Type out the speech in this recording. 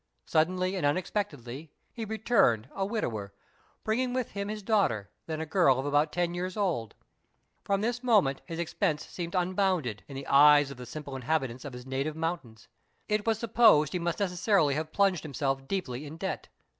Suddenly and unexpectedly he returned a widower, bringing with him his daughter, then a girl of about ten years old. From this moment his expense seemed unbounded, in the eyes of the simple inhabitants of his native mountains. It was supposed he must necessarily have plunged himself deeply in debt.